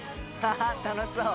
楽しそう！